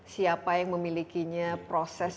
siapa yang memilikinya proses